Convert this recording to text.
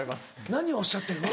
何をおっしゃってるの？